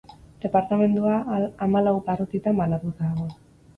Departamendua hamalau barrutitan banatuta dago.